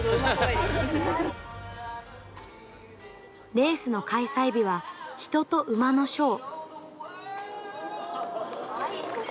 レースの開催日は人と馬のショー。